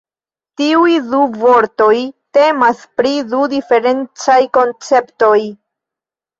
Tiuj du vortoj temas pri du diferencaj konceptoj.